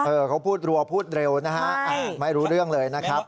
เขาพูดรัวพูดเร็วนะฮะไม่รู้เรื่องเลยนะครับ